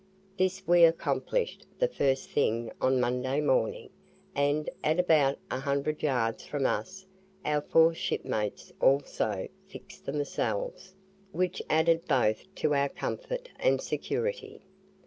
This we accomplished the first thing on Monday morning and at about a hundred yards from us our four shipmates also fixed themselves, which added both to our comfort and security.